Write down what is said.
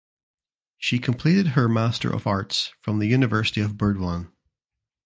She completed her Master of Arts from the University of Burdwan.